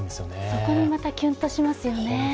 そこにまたキュンとしますよね。